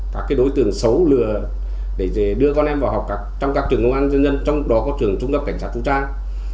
các đối tượng xấu lừa để đưa con em vào học trong các trường công an dân dân trong đó có trường trung cấp cảnh sát vũ trang